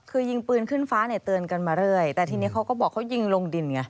คือยิงปืนขึ้นฟ้าเนี่ยเตือนกันมาเรื่อยแต่ทีนี้เขาก็บอกเขายิงลงดินไง